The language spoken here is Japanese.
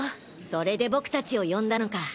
それで僕たちを呼んだのか。